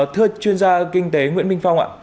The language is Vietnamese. thưa chuyên gia kinh tế nguyễn minh phong ạ